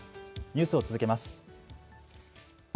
ニュースを続けます。